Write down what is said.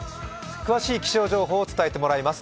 詳しい気象情報を伝えてもらいます。